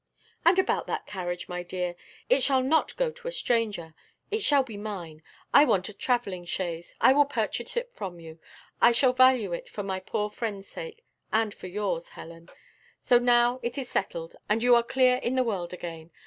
"And about that carriage, my dear, it shall not go to a stranger, it shall be mine. I want a travelling chaise I will purchase it from you: I shall value it for my poor friend's sake, and for yours, Helen. So now it is settled, and you are clear in the world again.